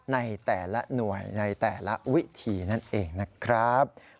ในแต่ละหน่วยในแต่ละวิธีนั่นเองนะครับ